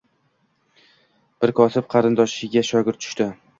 Bir kosib qarindoshiga shogird tushdi